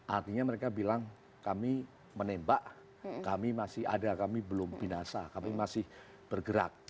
artinya mereka bilang kami menembak kami masih ada kami belum binasa kami masih bergerak